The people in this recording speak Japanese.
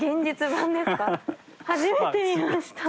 初めて見ました。